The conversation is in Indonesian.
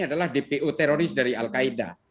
adalah dpo teroris dari al qaeda